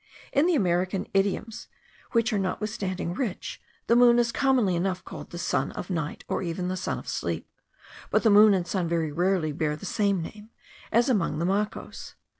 In the American idioms, which are notwithstanding rich, the moon is commonly enough called the sun of night or even the sun of sleep; but the moon and sun very rarely bear the same name, as among the Macos.